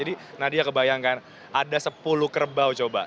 jadi nadia kebayangkan ada sepuluh kerbau coba